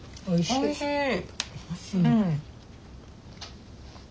おいしいね。